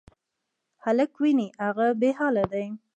هلک وینې، هغه بېحاله دی.